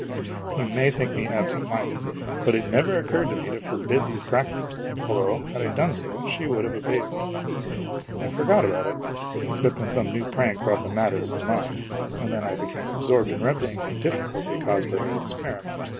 You may think me absent minded ; but it never occurred to me to forbid these practices, although, had I done so, she would have obeyed me. I forgot about it, except when some new prank brought the matter to my mind, and then I became absorbed in remedying the difficulty caused by her experiment.